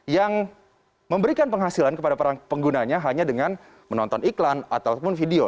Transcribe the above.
yang memberikan penghasilan kepada para penggunanya hanya dengan menonton iklan ataupun video